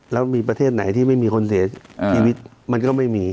แล้วมีประเทศไหนที่ไม่มีคนเสียชีวิตมันก็ไม่มี